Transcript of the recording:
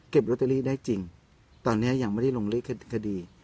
ลอตเตอรี่ได้จริงตอนนี้ยังไม่ได้ลงเลขคดี